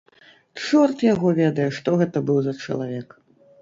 Чорт яго ведае, што гэта быў за чалавек.